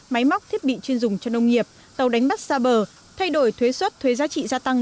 máy móc thiết bị chuyên dùng cho nông nghiệp tàu đánh bắt xa bờ thay đổi thuế xuất thuế giá trị gia tăng